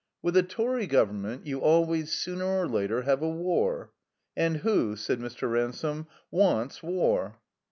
"With a Tory Government you always, sooner or later, have a war. And who," said Mr. Ransome, *'wants war?"